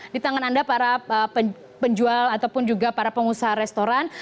di tangan anda para penjual ataupun juga para pengusaha restoran